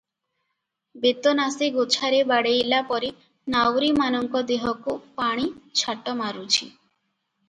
ବେତନାସି ଗୋଛାରେ ବାଡ଼େଇଲା ପରି ନାଉରୀମାନଙ୍କ ଦେହକୁ ପାଣି ଛାଟ ମାରୁଛି ।